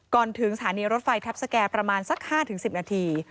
ถึงสถานีรถไฟทัพสแก่ประมาณสัก๕๑๐นาที